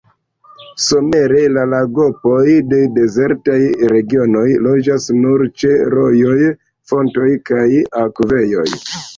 Somere la lagopoj de dezertaj regionoj loĝas nur ĉe rojoj, fontoj kaj akvejoj.